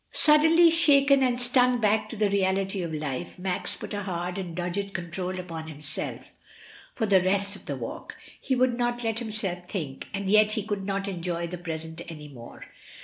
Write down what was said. Suddenly shaken and stung back to the reality of life Max put a hard and dogged control upon himself for the rest of the walk; he would not let himself think, and yet he could not enjoy the present any more.